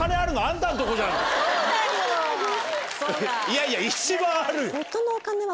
いやいや一番あるよ。